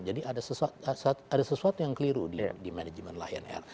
jadi ada sesuatu yang keliru di management lion air